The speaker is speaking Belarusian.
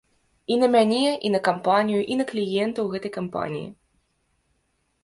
І на мяне, і не кампанію, і на кліентаў гэтай кампаніі.